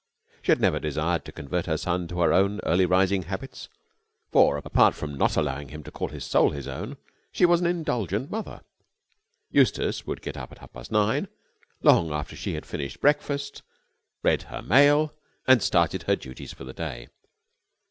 She had never desired to convert her son to her own early rising habits, for, apart from not allowing him to call his soul his own, she was an indulgent mother. Eustace would get up at half past nine, long after she had finished breakfast, read her mail, and started her duties for the day.